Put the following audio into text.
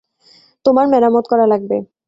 তোমার মেরামত করা লাগবে।